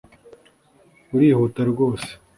Urihuta rwose